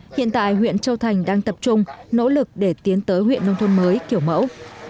hiện tại huyện châu thành đang tập trung nỗ lực để tiến tới huyện nông thôn mới kiểu mẫu